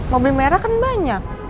mobil merah kan banyak